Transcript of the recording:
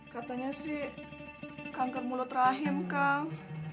katanya sih kanker mulut rahim kang